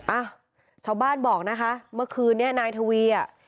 อ่ะชาวบ้านบอกนะคะเมื่อคืนนี้นายทวีอ่ะ